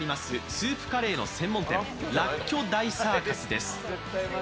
スープカレーの専門店、らっきょ大サーカスです。